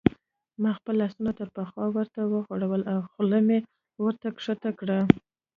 ما خپل لاسونه تر پخوا ورته وغوړول او خوله مې ورته کښته کړل.